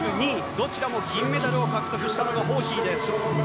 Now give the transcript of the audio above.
どちらも銀メダルを獲得したのがホーヒーです。